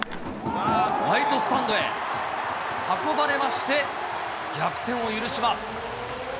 ライトスタンドへ運ばれまして、逆転を許します。